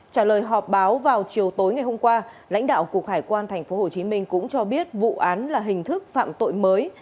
trả lời họp báo vào chiều tối ngày hôm qua lãnh đạo cục hải quan tp hcm cũng cho biết vụ án là hình thức phạm tội mới